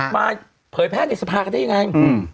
มาเผยแพร่ในสภาพกันได้อย่างไร